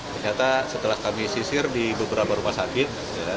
ternyata setelah kami sisir di beberapa rumah sakit